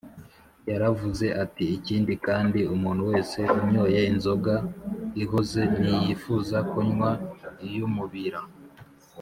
yaravuze ati, “ikindi kandi umuntu wese unyoye inzoga ihoze ntiyifuza kunywa iy’umubira